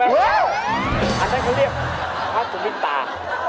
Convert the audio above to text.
อันนั้นเขาเรียกพระสุมิตา